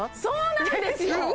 そうなんですよ